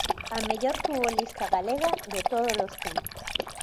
A mellor futbolista galega de tódolos tempos.